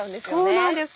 そうなんです